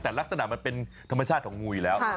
แต่ลักษณะมันเป็นธรรมชาติของงูอยู่แล้ว